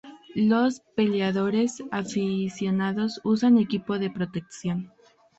Los peleadores aficionados usan equipo de protección.